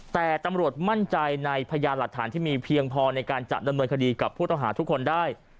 แต่ตำรวจมั่นใจในพยานหลักฐานที่มีเพียงพอในการจัดดำเนินคดีกับผู้ต้องหาทุกคนได้